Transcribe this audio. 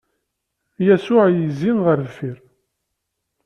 Yasuɛ izzi ɣer deffir.